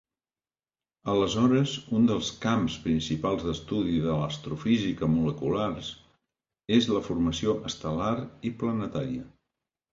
Aleshores, un dels camps principals d'estudi de l'astrofísica moleculars és la formació estel·lar i planetària.